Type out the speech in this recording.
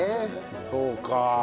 そうか。